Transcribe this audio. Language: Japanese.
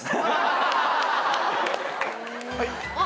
はい。